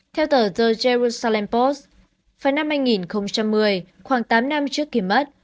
theo tờ the jerusalem post vào năm hai nghìn một mươi khoảng tám năm trước khi mất